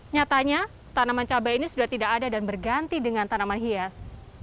nyatanya tanaman cabai ini sudah tidak ada dan berganti dengan tanaman hias